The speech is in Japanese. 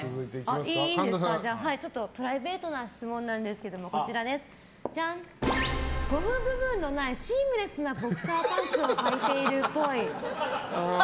プライベートな質問なんですけどゴム部分のないシームレスなボクサーパンツをはいているっぽい。